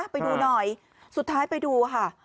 ไปดูหน่อยสุดท้ายไปดูค่ะ